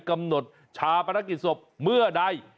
กำหนดชาปนกิจศพเมื่อใด